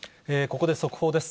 ここで速報です。